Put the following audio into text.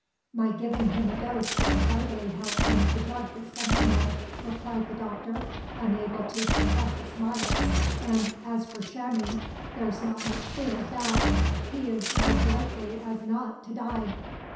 "My giving him a dose would hardly help him to drug the sentinel," replied the doctor, unable to suppress a smile. "And as for shamming there's not much fear of that. He is as likely as not to die."